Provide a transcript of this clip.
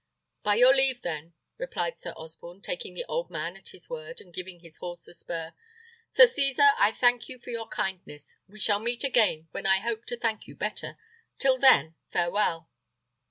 "By your leave, then," replied Sir Osborne, taking the old man at his word, and giving his horse the spur. "Sir Cesar, I thank you for your kindness: we shall meet again, when I hope to thank you better; till then, farewell!"